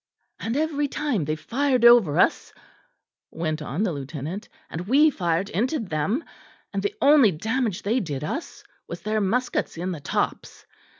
"And every time they fired over us," went on the lieutenant, "and we fired into them; and the only damage they did us was their muskets in the tops.